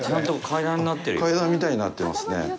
階段みたいになってますね。